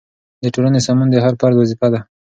د ټولنې سمون د هر فرد وظیفه ده.